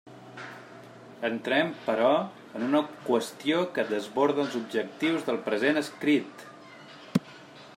Entrem, però, en una qüestió que desborda els objectius del present escrit.